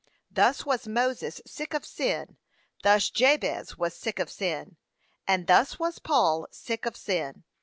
Thus was Moses sick of sin, thus Jabez was sick of sin, and thus was Paul sick of sin.